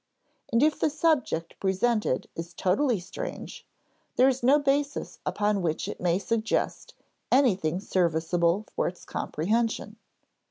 And if the subject presented is totally strange, there is no basis upon which it may suggest anything serviceable for its comprehension.